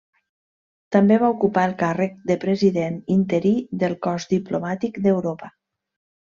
També va ocupar el càrrec de president interí del Cos Diplomàtic d'Europa.